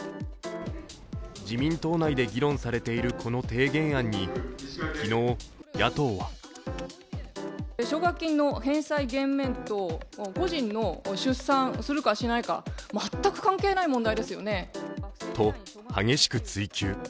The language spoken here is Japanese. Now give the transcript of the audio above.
自民党内で議論されているこの提言案に昨日、野党はと、激しく追及。